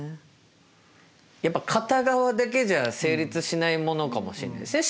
やっぱ片側だけじゃ成立しないものかもしれないですね